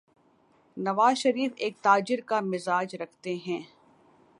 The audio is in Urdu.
نوازشریف ایک تاجر کا مزاج رکھتے ہیں۔